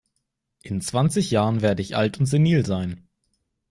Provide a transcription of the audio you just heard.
In zwanzig Jahren werde ich alt und senil sein.